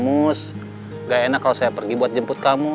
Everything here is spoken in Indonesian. mush gak enak kalau saya pergi buat jemput kamu